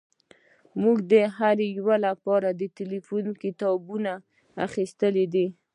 موږ د هر یو لپاره د ټیلیفون کتابونه اخیستي دي